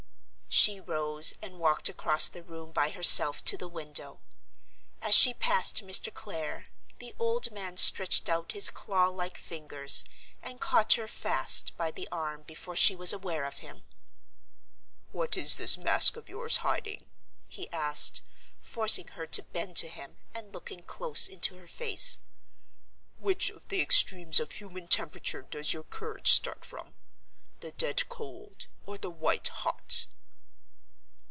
She rose and walked across the room by herself to the window. As she passed Mr. Clare, the old man stretched out his claw like fingers and caught her fast by the arm before she was aware of him. "What is this mask of yours hiding?" he asked, forcing her to bend to him, and looking close into her face. "Which of the extremes of human temperature does your courage start from—the dead cold or the white hot?"